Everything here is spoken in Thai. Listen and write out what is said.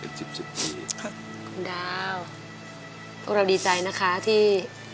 เป็นสิบสิบปีเป็นสิบสิบปีครับคุณดาวพวกเราดีใจนะคะที่